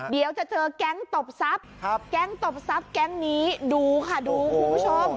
เดี๋ยวจะเจอแก๊งตบทรัพย์แก๊งตบทรัพย์แก๊งนี้ดูค่ะดูคุณผู้ชม